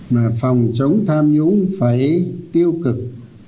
mà phòng chống tham nhũng phải tiêu cực